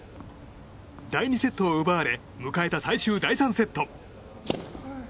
第２セットを奪われ迎えた最終第３セット。